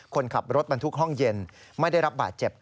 คนขับรถบรรทุกห้องเย็นไม่ได้รับบาดเจ็บ